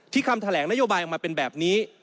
คำแถลงนโยบายออกมาเป็นแบบนี้